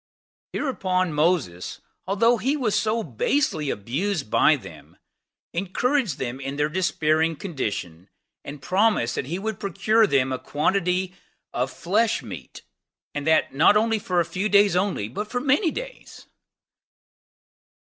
Hereupon Moses, although he was so basely abused by them encouraged them in their despairing conditioned and promised that he would procure them a quantity of flesh meat, and that not for a few days only, but for many days.